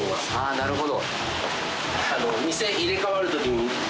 なるほど。